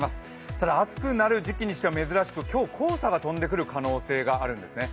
ただ暑くなる時期にしては珍しく、今日、黄砂が飛んでくる可能性があるんですね。